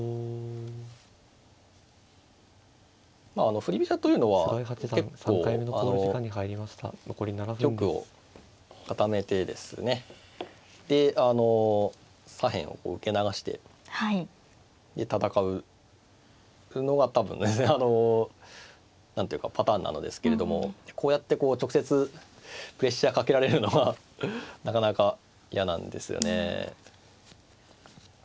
振り飛車というのは結構玉を固めてですねであの左辺を受け流してで戦うのが多分あの何ていうかパターンなのですけれどもこうやって直接プレッシャーかけられるのはなかなか嫌なんですよね。